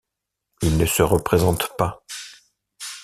Il ne se représente pas.